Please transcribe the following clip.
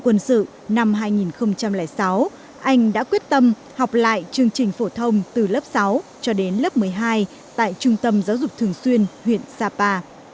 tuyệt xã mường bò phan văn đại sau khi hoàn thành nhiễu vụ quân sự năm hai nghìn sáu anh đã quyết tâm học lại chương trình phổ thông từ lớp sáu cho đến lớp một mươi hai tại trung tâm giáo dục thường xuyên huyện sapa